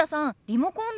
リモコン